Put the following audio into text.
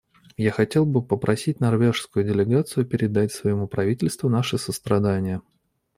Я хотел бы попросить норвежскую делегацию передать своему правительству наши сострадания.